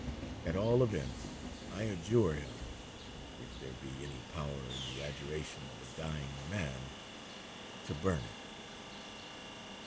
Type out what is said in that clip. At all events, I adjure him, if there be any power in the adjuration of a dying man, to burn it.'